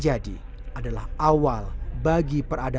segini adalah peradaban bahwa manusia bisa ditutupi dengan mendalam dalam